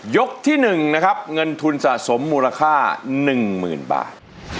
ที่๑นะครับเงินทุนสะสมมูลค่า๑๐๐๐บาท